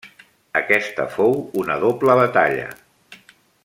Aquesta fou una doble batalla.